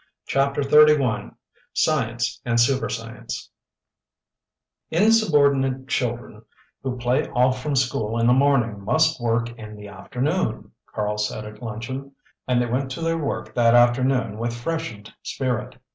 CHAPTER XXXI SCIENCE AND SUPER SCIENCE "Insubordinate children who play off from school in the morning must work in the afternoon," Karl said at luncheon, and they went to their work that afternoon with freshened spirit.